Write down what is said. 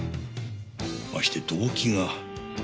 まして動機が。